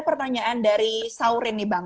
pertanyaan dari saurin nih bang